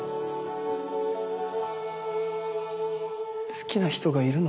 好きな人がいるの？